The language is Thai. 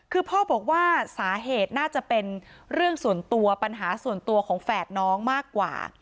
คือพ่อบอกว่าสาเหตุน่าจะเป็นเรื่องส่วนตัวปัญหาส่วนตัวของแฝดน้องมากกว่า